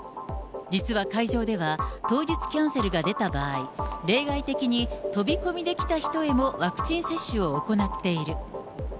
実は会場では、当日キャンセルが出た場合、例外的に飛び込みで来た人へもワクチン接種を行っている。